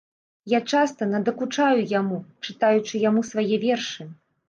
Я часта надакучаю яму, чытаючы яму свае вершы.